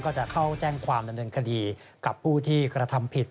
ก็จะเข้าแจ้งความดำเนินคดีกับผู้ที่กระทำผิด